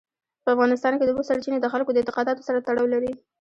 په افغانستان کې د اوبو سرچینې د خلکو د اعتقاداتو سره تړاو لري.